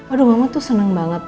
aduh mama tuh senang banget